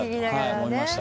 思いました。